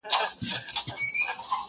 خلک د نړيوالو خبرونو په اړه بحث کوي،